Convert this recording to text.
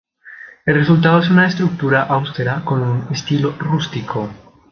El resultado es una "estructura austera" con un "estilo rústico.